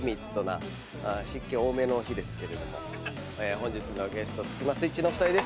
本日のゲストスキマスイッチのお二人です。